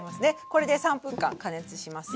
これで３分間加熱します。